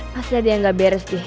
pasti ada yang gak beres sih